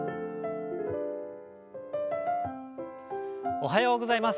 おはようございます。